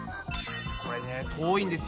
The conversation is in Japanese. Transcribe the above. これね遠いんですよ。